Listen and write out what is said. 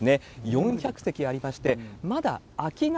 ４００席ありまして、まだ空きが